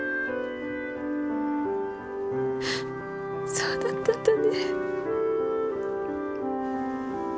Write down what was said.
そうだったんだね。